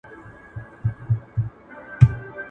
اهل العلم د ميرمنو د نفقې په اړه پر څه اتفاق کړی دی؟